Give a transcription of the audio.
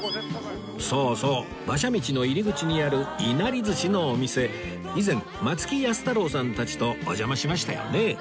そうそう馬車道の入り口にあるいなり寿司のお店以前松木安太郎さんたちとお邪魔しましたよね